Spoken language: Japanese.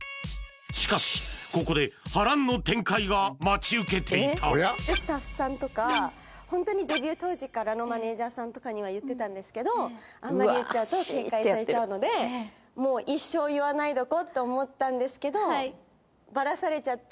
しかしここでスタッフさんとかホントにデビュー当時からのマネージャーさんとかには言ってたんですけどあんまり言っちゃうと警戒されちゃうのでもうそうですか？